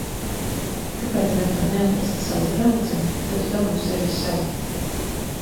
Kāpēc gan tev neatrast savu draudzeni, tad tu dabūsi arī sev?